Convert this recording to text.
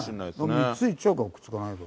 ３ついっちゃおうかくっつかない度。